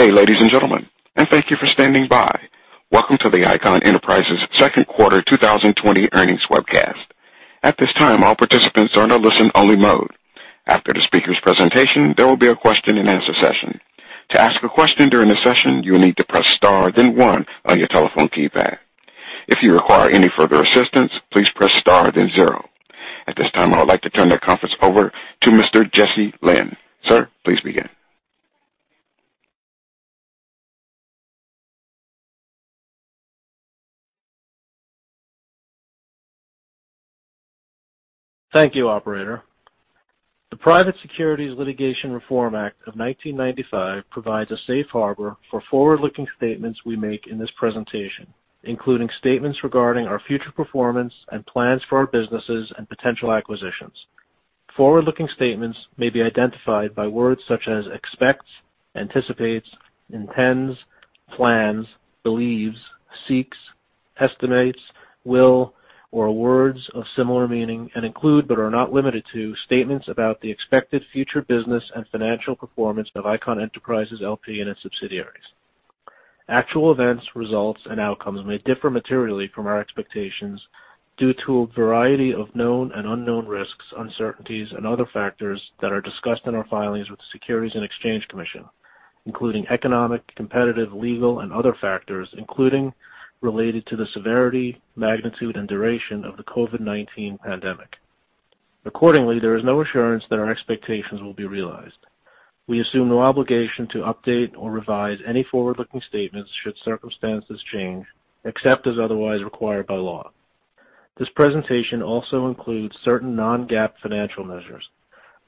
Good day, ladies and gentlemen. Thank you for standing by. Welcome to the Icahn Enterprises second quarter 2020 earnings webcast. At this time, all participants are in a listen-only mode. After the speaker's presentation, there will be a question and answer session. To ask a question during the session, you will need to press star then one on your telephone keypad. If you require any further assistance, please press star then zero. At this time, I would like to turn the conference over to Mr. Jesse Lynn. Sir, please begin. Thank you, operator. The Private Securities Litigation Reform Act of 1995 provides a safe harbor for forward-looking statements we make in this presentation, including statements regarding our future performance and plans for our businesses and potential acquisitions. Forward-looking statements may be identified by words such as expects, anticipates, intends, plans, believes, seeks, estimates, will, or words of similar meaning, and include but are not limited to statements about the expected future business and financial performance of Icahn Enterprises L.P. and its subsidiaries. Actual events, results, and outcomes may differ materially from our expectations due to a variety of known and unknown risks, uncertainties, and other factors that are discussed in our filings with the Securities and Exchange Commission, including economic, competitive, legal, and other factors including related to the severity, magnitude, and duration of the COVID-19 pandemic. Accordingly, there is no assurance that our expectations will be realized. We assume no obligation to update or revise any forward-looking statements should circumstances change, except as otherwise required by law. This presentation also includes certain non-GAAP financial measures.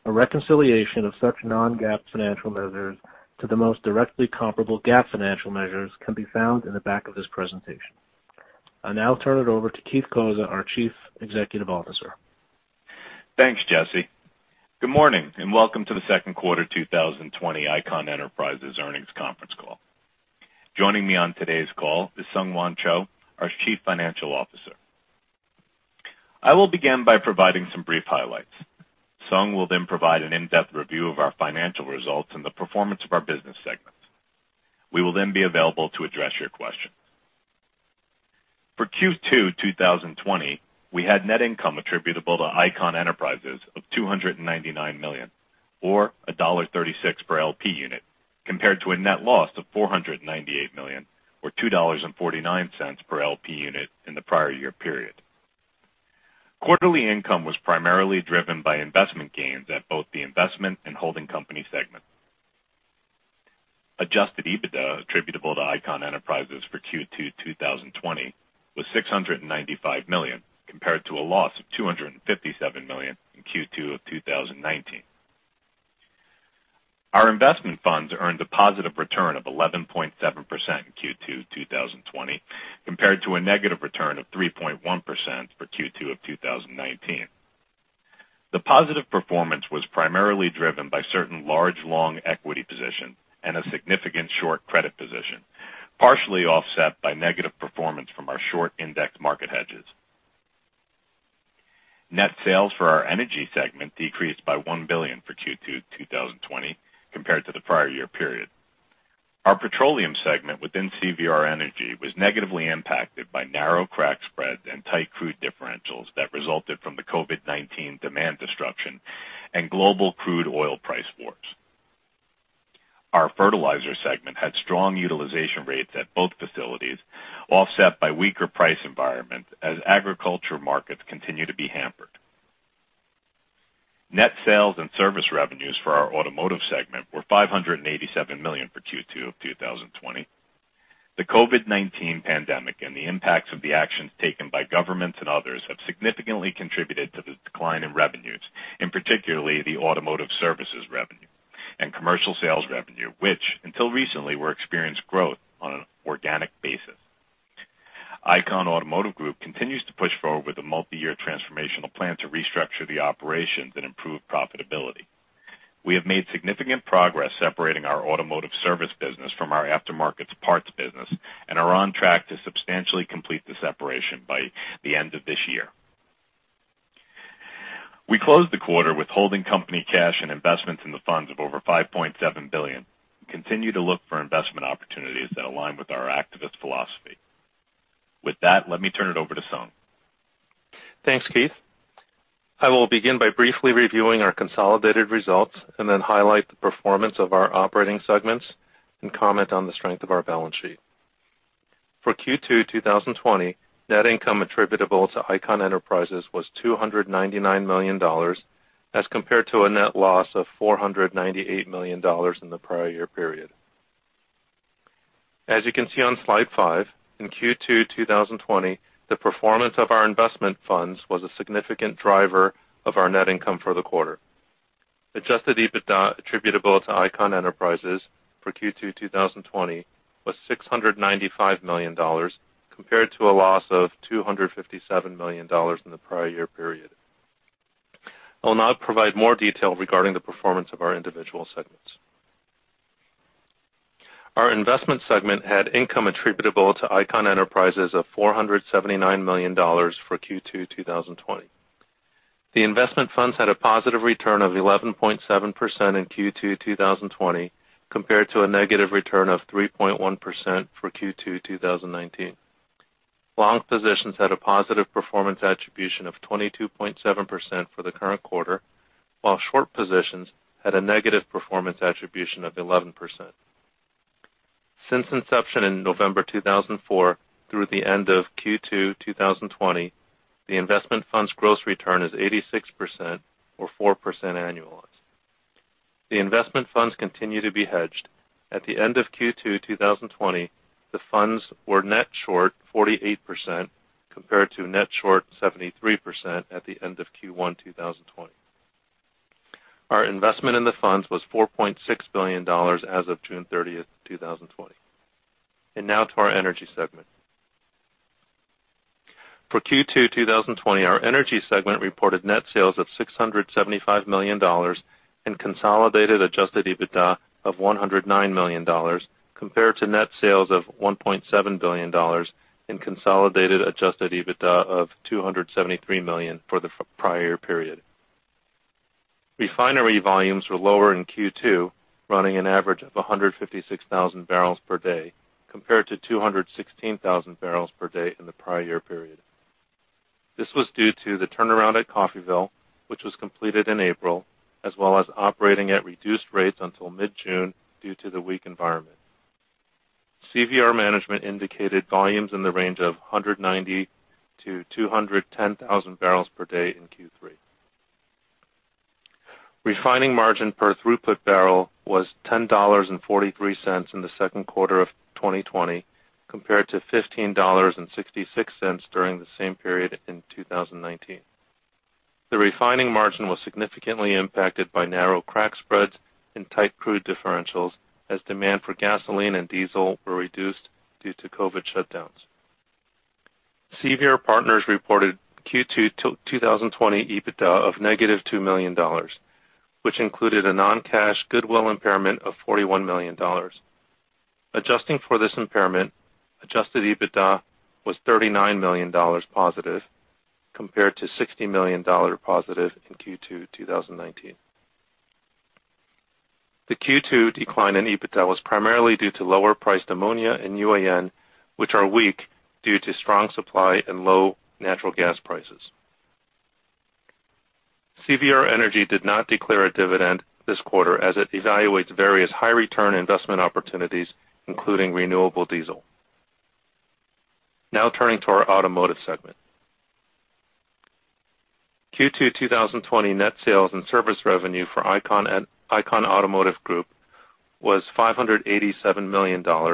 A reconciliation of such non-GAAP financial measures to the most directly comparable GAAP financial measures can be found in the back of this presentation. I'll now turn it over to Keith Cozza, our Chief Executive Officer. Thanks, Jesse. Good morning, and welcome to the second quarter 2020 Icahn Enterprises earnings conference call. Joining me on today's call is SungHwan Cho, our Chief Financial Officer. I will begin by providing some brief highlights. Sung will then provide an in-depth review of our financial results and the performance of our business segments. We will then be available to address your questions. For Q2 2020, we had net income attributable to Icahn Enterprises of $299 million, or $1.36 per LP unit, compared to a net loss of $498 million or $2.49 per LP unit in the prior year period. Quarterly income was primarily driven by investment gains at both the investment and holding company segment. Adjusted EBITDA attributable to Icahn Enterprises for Q2 2020 was $695 million, compared to a loss of $257 million in Q2 of 2019. Our investment funds earned a positive return of 11.7% in Q2 2020, compared to a negative return of 3.1% for Q2 of 2019. The positive performance was primarily driven by certain large long equity position and a significant short credit position, partially offset by negative performance from our short index market hedges. Net sales for our energy segment decreased by $1 billion for Q2 2020 compared to the prior year period. Our petroleum segment within CVR Energy was negatively impacted by narrow crack spreads and tight crude differentials that resulted from the COVID-19 demand destruction and global crude oil price wars. Our fertilizer segment had strong utilization rates at both facilities, offset by weaker price environments as agriculture markets continue to be hampered. Net sales and service revenues for our automotive segment were $587 million for Q2 of 2020. The COVID-19 pandemic and the impacts of the actions taken by governments and others have significantly contributed to the decline in revenues, in particularly the automotive services revenue and commercial sales revenue, which until recently, were experienced growth on an organic basis. Icahn Automotive Group continues to push forward with a multi-year transformational plan to restructure the operations and improve profitability. We have made significant progress separating our automotive service business from our aftermarket parts business and are on track to substantially complete the separation by the end of this year. We closed the quarter with holding company cash and investments in the funds of over $5.7 billion. We continue to look for investment opportunities that align with our activist philosophy. With that, let me turn it over to Sung. Thanks, Keith. I will begin by briefly reviewing our consolidated results and then highlight the performance of our operating segments and comment on the strength of our balance sheet. For Q2 2020, net income attributable to Icahn Enterprises was $299 million as compared to a net loss of $498 million in the prior year period. As you can see on Slide five, in Q2 2020, the performance of our investment funds was a significant driver of our net income for the quarter. Adjusted EBITDA attributable to Icahn Enterprises for Q2 2020 was $695 million, compared to a loss of $257 million in the prior year period. I will now provide more detail regarding the performance of our individual segments. Our investment segment had income attributable to Icahn Enterprises of $479 million for Q2 2020. The investment funds had a positive return of 11.7% in Q2 2020, compared to a negative return of 3.1% for Q2 2019. Long positions had a positive performance attribution of 22.7% for the current quarter, while short positions had a negative performance attribution of 11%. Since inception in November 2004 through the end of Q2 2020, the investment fund's gross return is 86%, or 4% annualized. The investment funds continue to be hedged. At the end of Q2 2020, the funds were net short 48%, compared to net short 73% at the end of Q1 2020. Our investment in the funds was $4.6 billion as of June 30th, 2020. Now to our energy segment. For Q2 2020, our energy segment reported net sales of $675 million and consolidated adjusted EBITDA of $109 million, compared to net sales of $1.7 billion and consolidated adjusted EBITDA of $273 million for the prior period. Refinery volumes were lower in Q2, running an average of 156,000 barrels per day compared to 216,000 barrels per day in the prior year period. This was due to the turnaround at Coffeyville, which was completed in April, as well as operating at reduced rates until mid-June due to the weak environment. CVR management indicated volumes in the range of 190,000 barrels per day-210,000 barrels per day in Q3. Refining margin per throughput barrel was $10.43 in the second quarter of 2020, compared to $15.66 during the same period in 2019. The refining margin was significantly impacted by narrow crack spreads and tight crude differentials, as demand for gasoline and diesel were reduced due to COVID shutdowns. CVR Partners reported Q2 2020 EBITDA of -$2 million, which included a non-cash goodwill impairment of $41 million. Adjusting for this impairment, adjusted EBITDA was $39 million positive compared to $60 million positive in Q2 2019. The Q2 decline in EBITDA was primarily due to lower-priced ammonia and UAN, which are weak due to strong supply and low natural gas prices. CVR Energy did not declare a dividend this quarter as it evaluates various high-return investment opportunities, including renewable diesel. Turning to our automotive segment. Q2 2020 net sales and service revenue for Icahn Automotive Group was $587 million, down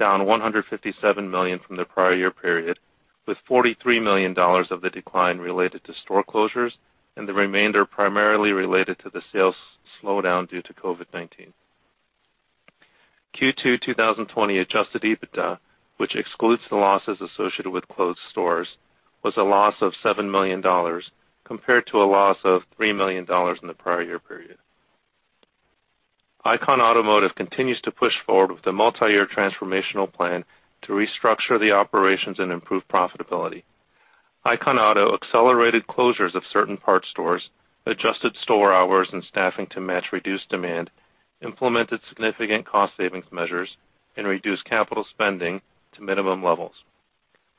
$157 million from the prior year period, with $43 million of the decline related to store closures and the remainder primarily related to the sales slowdown due to COVID-19. Q2 2020 adjusted EBITDA, which excludes the losses associated with closed stores, was a loss of $7 million, compared to a loss of $3 million in the prior year period. Icahn Automotive continues to push forward with the multi-year transformational plan to restructure the operations and improve profitability. Icahn Auto accelerated closures of certain parts stores, adjusted store hours and staffing to match reduced demand, implemented significant cost savings measures, and reduced capital spending to minimum levels.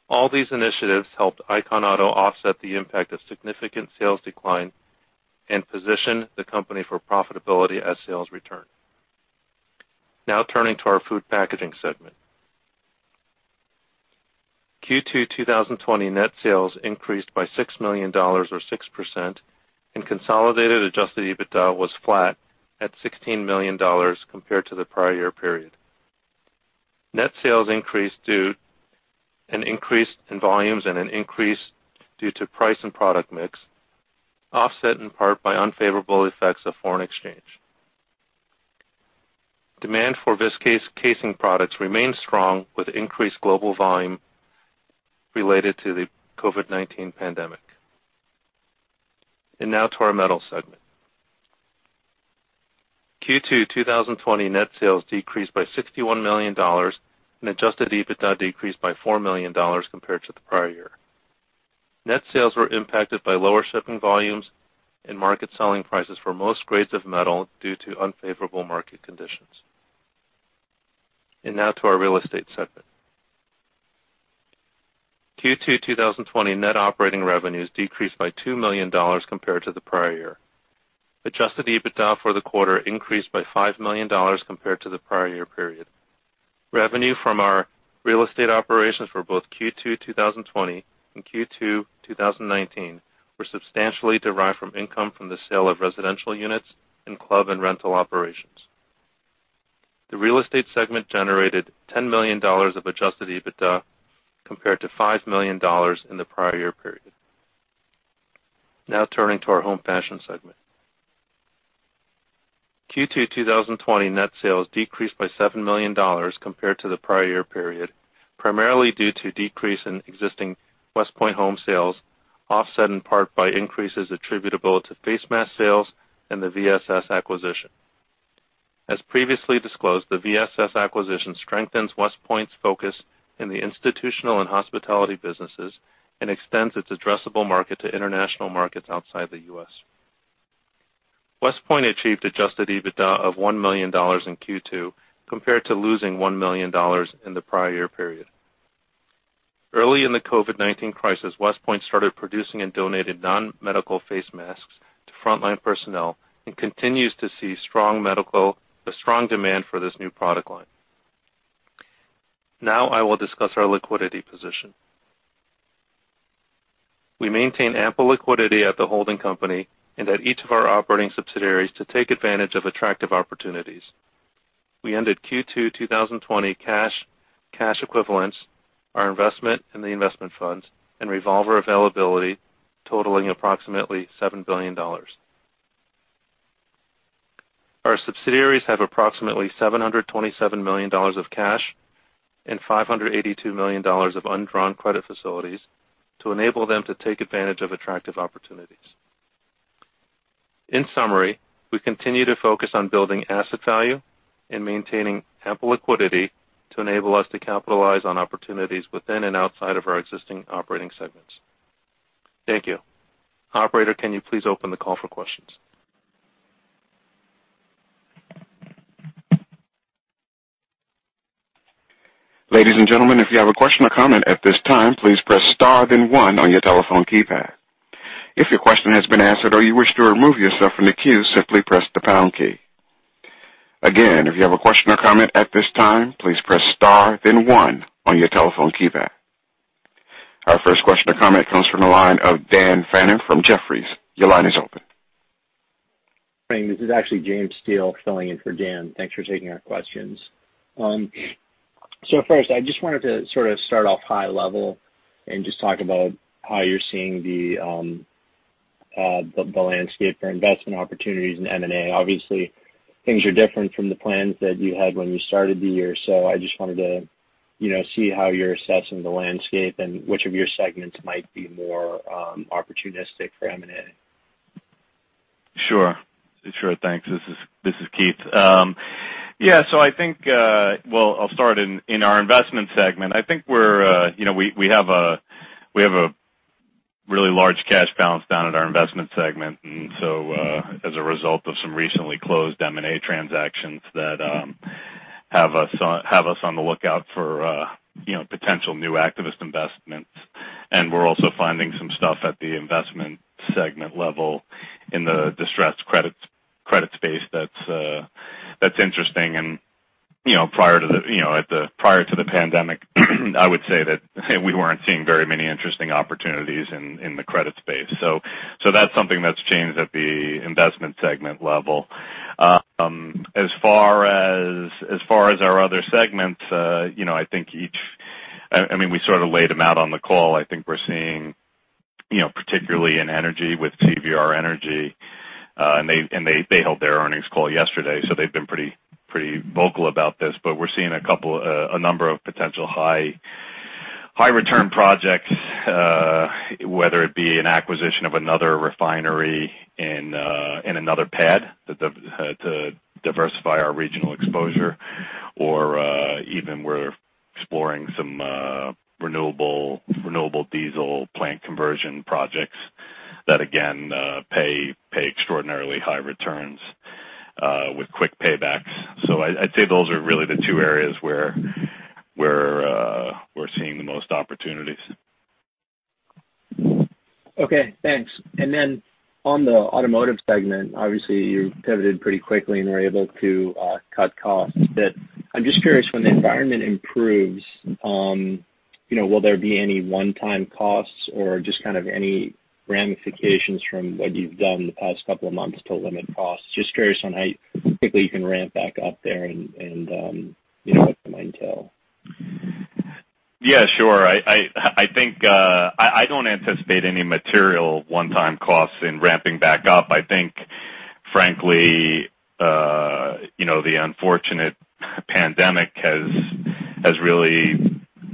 All these initiatives helped Icahn Auto offset the impact of significant sales decline and position the company for profitability as sales return. Now turning to our food packaging segment. Q2 2020 net sales increased by $6 million, or 6%, consolidated adjusted EBITDA was flat at $16 million compared to the prior year period. Net sales increased due to an increase in volumes and an increase due to price and product mix, offset in part by unfavorable effects of foreign exchange. Demand for Viskase casing products remained strong with increased global volume related to the COVID-19 pandemic. Now to our metals segment. Q2 2020 net sales decreased by $61 million, adjusted EBITDA decreased by $4 million compared to the prior year. Net sales were impacted by lower shipping volumes and market selling prices for most grades of metal due to unfavorable market conditions. Now to our real estate segment. Q2 2020 net operating revenues decreased by $2 million compared to the prior year. Adjusted EBITDA for the quarter increased by $5 million compared to the prior year period. Revenue from our real estate operations for both Q2 2020 and Q2 2019 were substantially derived from income from the sale of residential units and club and rental operations. The real estate segment generated $10 million of adjusted EBITDA, compared to $5 million in the prior year period. Turning to our home fashion segment. Q2 2020 net sales decreased by $7 million compared to the prior year period, primarily due to a decrease in existing WestPoint Home sales Offset in part by increases attributable to face mask sales and the VSS acquisition. As previously disclosed, the VSS acquisition strengthens WestPoint's focus in the institutional and hospitality businesses and extends its addressable market to international markets outside the U.S. WestPoint achieved adjusted EBITDA of $1 million in Q2 compared to losing $1 million in the prior year period. Early in the COVID-19 crisis, WestPoint started producing and donated non-medical face masks to frontline personnel and continues to see a strong demand for this new product line. Now I will discuss our liquidity position. We maintain ample liquidity at the holding company and at each of our operating subsidiaries to take advantage of attractive opportunities. We ended Q2 2020, cash equivalents, our investment in the investment funds and revolver availability totaling approximately $7 billion. Our subsidiaries have approximately $727 million of cash and $582 million of undrawn credit facilities to enable them to take advantage of attractive opportunities. In summary, we continue to focus on building asset value and maintaining ample liquidity to enable us to capitalize on opportunities within and outside of our existing operating segments. Thank you. Operator, can you please open the call for questions? Our first question or comment comes from the line of Dan Fannon from Jefferies. Your line is open. This is actually James Steele filling in for Dan. Thanks for taking our questions. First, I just wanted to sort of start off high level and just talk about how you're seeing the landscape for investment opportunities in M&A. Obviously, things are different from the plans that you had when you started the year. I just wanted to see how you're assessing the landscape and which of your segments might be more opportunistic for M&A. Sure. Thanks. This is Keith. Yeah. Well, I'll start in our investment segment. I think we have a really large cash balance down at our investment segment. As a result of some recently closed M&A transactions that have us on the lookout for potential new activist investments. We're also finding some stuff at the investment segment level in the distressed credit space that's interesting. Prior to the pandemic, I would say that we weren't seeing very many interesting opportunities in the credit space. That's something that's changed at the investment segment level. As far as our other segments, I think we sort of laid them out on the call. I think we're seeing, particularly in energy with CVR Energy, and they held their earnings call yesterday, so they've been pretty vocal about this, but we're seeing a number of potential high return projects, whether it be an acquisition of another refinery in another PADD to diversify our regional exposure or even we're exploring some renewable diesel plant conversion projects that again pay extraordinarily high returns with quick paybacks. I'd say those are really the two areas where we're seeing the most opportunities. Okay, thanks. On the automotive segment, obviously you pivoted pretty quickly and were able to cut costs. I'm just curious, when the environment improves, will there be any one-time costs or just kind of any ramifications from what you've done in the past couple of months to limit costs? Just curious on how quickly you can ramp back up there and what that might entail. Yeah, sure. I don't anticipate any material one-time costs in ramping back up. I think, frankly, the unfortunate pandemic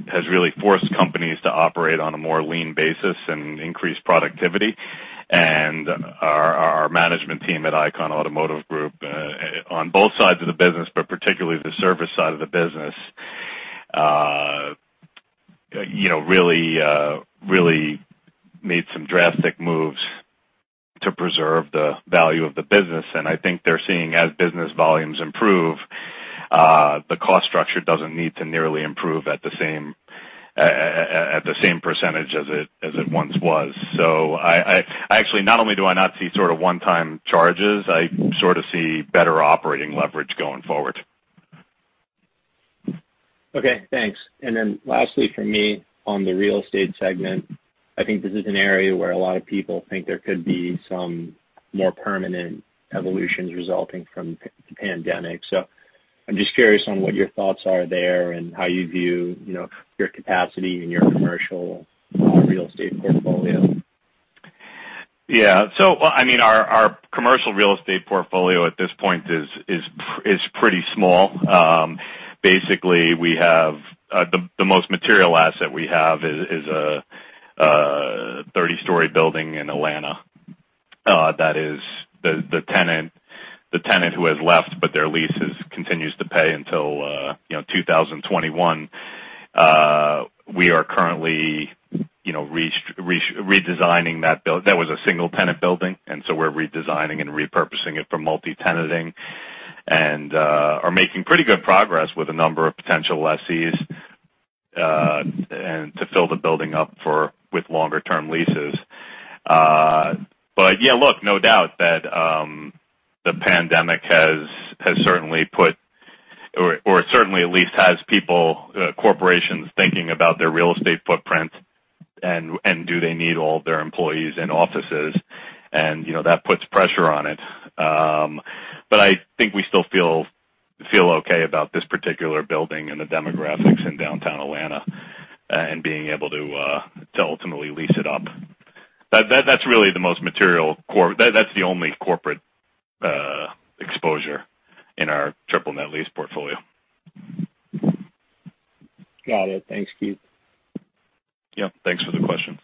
has really forced companies to operate on a more lean basis and increase productivity. Our management team at Icahn Automotive Group, on both sides of the business, but particularly the service side of the business really made some drastic moves to preserve the value of the business. I think they're seeing as business volumes improve, the cost structure doesn't need to nearly improve at the same percentage as it once was. Actually, not only do I not see sort of one-time charges, I sort of see better operating leverage going forward. Okay, thanks. Lastly from me, on the real estate segment, I think this is an area where a lot of people think there could be some more permanent evolutions resulting from the pandemic. I'm just curious on what your thoughts are there and how you view your capacity and your commercial real estate portfolio. Our commercial real estate portfolio at this point is pretty small. Basically, the most material asset we have is a 30-story building in Atlanta. The tenant who has left, but their lease continues to pay until 2021. We are currently redesigning that build. That was a single-tenant building, we're redesigning and repurposing it for multi-tenanting, and are making pretty good progress with a number of potential lessees to fill the building up with longer-term leases. No doubt that the pandemic has certainly put, or certainly at least has people, corporations thinking about their real estate footprint and do they need all of their employees in offices, and that puts pressure on it. I think we still feel okay about this particular building and the demographics in downtown Atlanta and being able to ultimately lease it up. That's the only corporate exposure in our triple net lease portfolio. Got it. Thanks, Keith. Yep. Thanks for the question.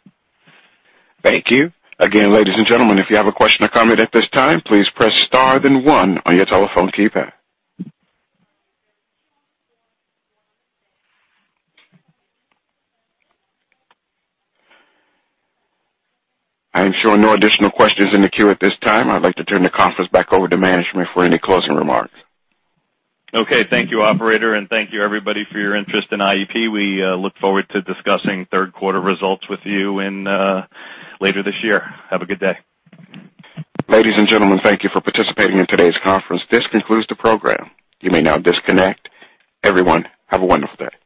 Thank you. Again, ladies and gentlemen, if you have a question or comment at this time, please press star then one on your telephone keypad. I am showing no additional questions in the queue at this time. I'd like to turn the conference back over to management for any closing remarks. Okay. Thank you, operator, and thank you everybody for your interest in IEP. We look forward to discussing third-quarter results with you later this year. Have a good day. Ladies and gentlemen, thank you for participating in today's conference. This concludes the program. You may now disconnect. Everyone, have a wonderful day.